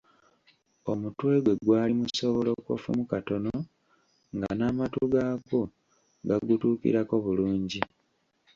Omutwe gwe gwali musoobolokofumu katono nga n’amatu gaakwo gagutuukirako bulungi.